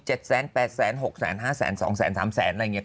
ก็วาดกันไป